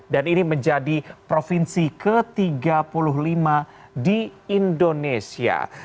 dan ini menjadi provinsi ke tiga puluh lima di indonesia